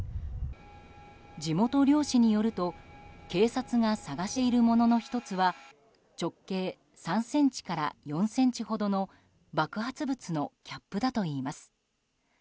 地元漁師によると警察が探しているものの１つは直径３ｃｍから４ｃｍほどの爆発物のキャップだといいます。